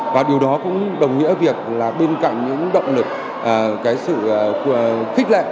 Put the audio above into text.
và điều đó cũng đồng nghĩa với việc bên cạnh những động lực sự khích lệ